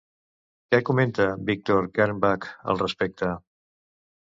Què comenta Victor Kernbach al respecte?